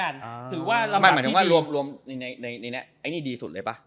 หมายถึงว่ารวมในนี้ไอ้นี่ดีสุดเลยป่ะ